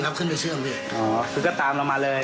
คือก็ตามเรามาเลย